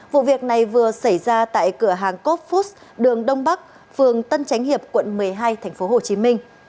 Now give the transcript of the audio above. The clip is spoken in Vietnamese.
vụ việc này vừa xảy ra tại cửa hàng cô phút đường đông bắc phường tân tránh hiệp quận một mươi hai tp hcm